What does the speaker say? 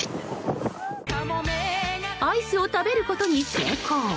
アイスを食べることに成功！